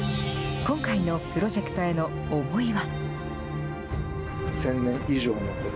今回のプロジェクトへの思いは。